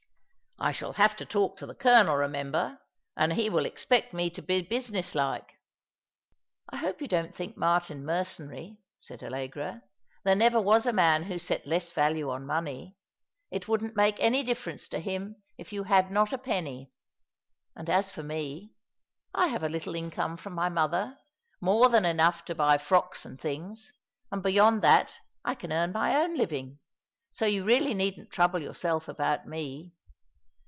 I shall have to talk to the colonel, remember ; and he will expect me to be business like." ^^ No Sudden Fancy 0/ an Ardent Boy.'* 215 " I hope you don't think Martin mercenary," said Allcgra. " Tiaero never was a man who sot less value on money. It wouldn't make any dififerenco to him if you had not a penny. And as for me, I have a little income from my mother — more than enough to buy frocks and things — and beyond that I can earn my own living. ^ So you really needn't trouble your self about mo."